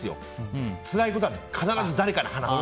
つらいことは必ず誰かに話す。